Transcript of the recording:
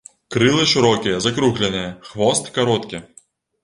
Крылы шырокія, закругленыя, хвост кароткі.